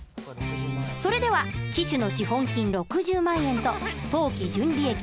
それでは期首の資本金６０万円と当期純利益